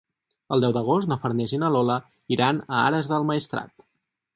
El deu d'agost na Farners i na Lola iran a Ares del Maestrat.